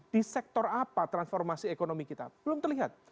di sektor apa transformasi ekonomi kita belum terlihat